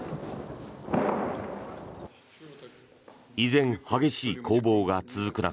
依然、激しい攻防が続く中